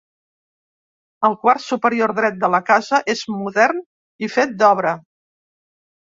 El quart superior dret de la casa és modern i fet d'obra.